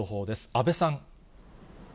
阿部さん。